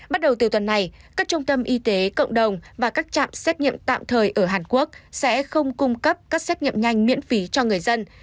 bắt đầu từ tuần này các trung tâm y tế cộng đồng và các trạm xét nghiệm tạm thời ở hàn quốc sẽ không cung cấp các xét nghiệm nhanh miễn phí cho người dân